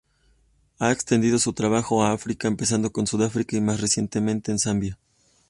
Ha extendido su trabajo a África, empezando con Sudáfrica y más recientemente en Zambia.